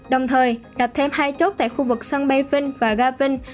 đồng thời đập thêm hai chốt tại khu vực sân bay vinh và ga vinh